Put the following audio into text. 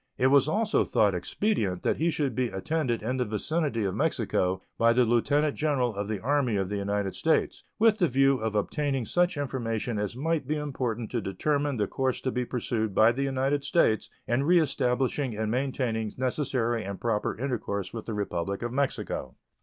It was also thought expedient that he should be attended in the vicinity of Mexico by the Lieutenant General of the Army of the United States, with the view of obtaining such information as might be important to determine the course to be pursued by the United States in reestablishing and maintaining necessary and proper intercourse with the Republic of Mexico.